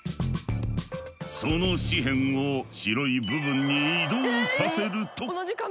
その紙片を白い部分に移動させると。